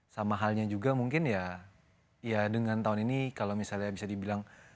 sama halnya juga mungkin ya dengan tahun ini kalau misalnya bisa dibilang